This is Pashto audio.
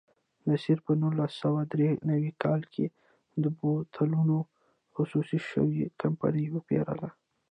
نصیر په نولس سوه درې نوي کال کې د بوتلونو خصوصي شوې کمپنۍ وپېرله.